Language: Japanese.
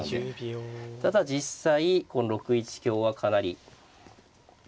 ただ実際この６一香はかなり。